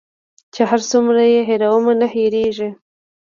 چي هر څو یې هېرومه نه هیریږي